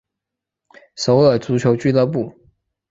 首尔足球俱乐部。